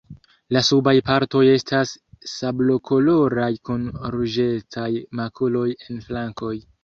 La subaj partoj estas sablokoloraj kun ruĝecaj makuloj en flankoj.